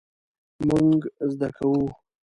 مونږ زده کوو